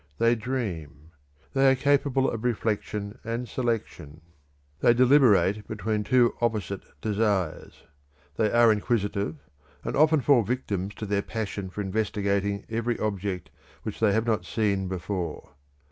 They dream. They are capable of reflection and selection; they deliberate between two opposite desires. They are inquisitive and often fall victims to their passion for investigating every object which they have not seen before.